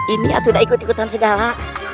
ini sudah ikut ikutan segala